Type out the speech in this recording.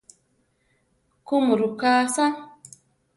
Kuʼmurúka asá!